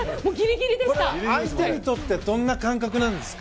これは相手にとってどんな感覚なんですか。